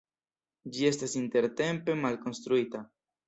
Ĝi estas intertempe malkonstruita.